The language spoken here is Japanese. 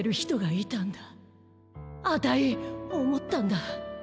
あたいおもったんだ。